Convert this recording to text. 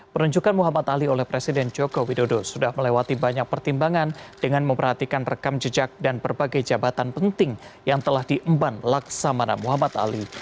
penunjukan muhammad ali oleh presiden joko widodo sudah melewati banyak pertimbangan dengan memperhatikan rekam jejak dan berbagai jabatan penting yang telah diemban laksamana muhammad ali